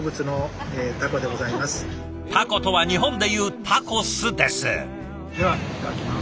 タコとは日本でいうタコスです。